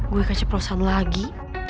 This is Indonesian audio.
gue keceprosan lagi